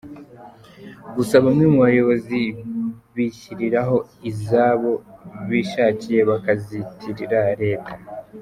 Gusa bamwe mu bayobozi bishyiriraho izabo bishakiye bakazitirira Leta.